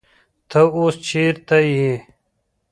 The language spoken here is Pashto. تۀ اوس چېرته يې ؟